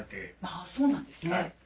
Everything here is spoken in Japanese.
あそうなんですね。